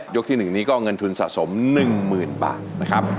ที่๑นี้ก็เงินทุนสะสม๑๐๐๐บาทนะครับ